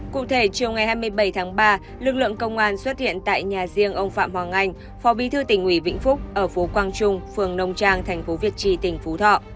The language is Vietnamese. cụ thể chiều ngày hai mươi bảy tháng ba lực lượng công an xuất hiện tại nhà riêng ông phạm hoàng anh phò bi thư tỉnh ủy vĩnh phúc ở phố quang trung phường nông trang thành phố việt tri tỉnh phú thọ